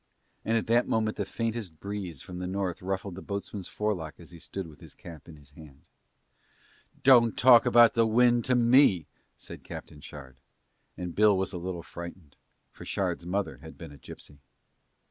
And at that moment the faintest breeze from the North ruffled the boatswain's forelock as he stood with his cap in his hand. "Don't talk about the wind to me," said Captain Shard: and Bill was a little frightened for Shard's mother had been a gipsy.